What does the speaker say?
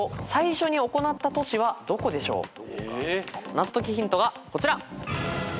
謎解きヒントはこちら。